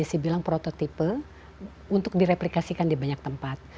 yang sudah dibilang prototipe untuk direplikasikan di banyak tempat